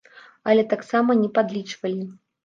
Але таксама не падлічвалі.